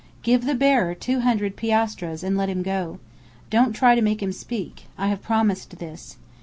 Give the bearer two hundred piastres and let him go. Don't try to make him speak. I have promised this.